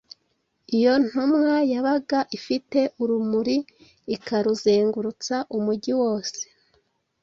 Iyo ntumwa yabaga ifite urumuri ikaruzengurutsa umugi wose